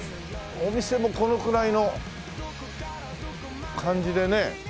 お店もこのくらいの感じでね。